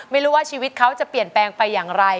ไม่รู้ว่าชีวิตเขาจะเปลี่ยนแปลงไปอย่างไร